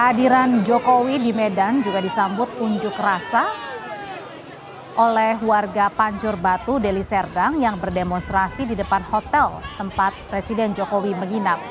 kehadiran jokowi di medan juga disambut unjuk rasa oleh warga panjur batu deli serdang yang berdemonstrasi di depan hotel tempat presiden jokowi menginap